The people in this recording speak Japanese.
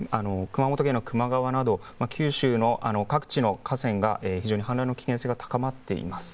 熊本県の球磨川など九州の各地の河川の氾濫の可能性が高まっています。